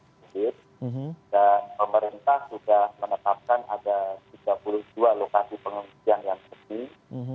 dan lokasi yang kawan dan pemerintah sudah menetapkan ada tiga puluh dua lokasi pengungsian yang sedih